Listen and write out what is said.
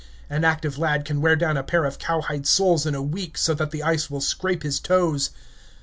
An active lad can wear down a pair of cowhide soles in a week so that the ice will scrape his toes.